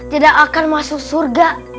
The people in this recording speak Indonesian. tidak akan masuk surga